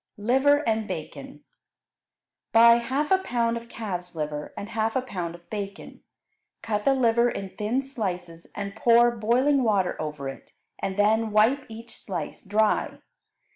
Liver and Bacon Buy half a pound of calf's liver and half a pound of bacon. Cut the liver in thin slices and pour boiling water over it, and then wipe each slice dry.